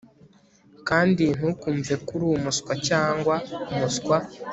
Kandi ntukumve ko uri umuswa cyangwa umuswa